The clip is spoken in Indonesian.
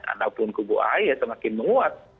ataupun kubu ahy semakin menguat